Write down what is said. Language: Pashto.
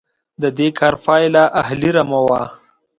د دې کار پایله اهلي رمه وه.